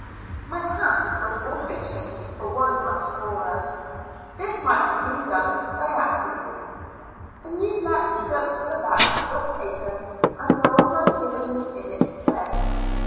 My hat was also changed for one much poorer; this might have been done by acci dent. A new black silk cravat was taken, and an old one given me in its stead.